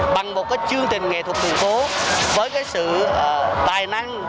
bằng một chương trình nghệ thuật đường phố với sự tài năng